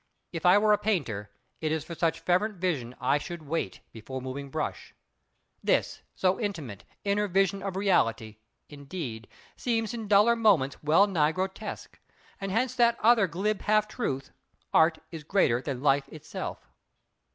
If I were a painter, it is for such fervent vision I should wait, before moving brush: This, so intimate, inner vision of reality, indeed, seems in duller moments well nigh grotesque; and hence that other glib half truth: "Art is greater than Life itself."